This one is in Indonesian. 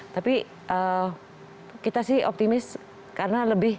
tapi kita sih optimis karena lebih